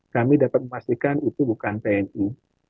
kita pastikan itu bukan tni